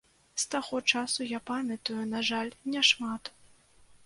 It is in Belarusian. З таго часу я памятаю, на жаль, не шмат.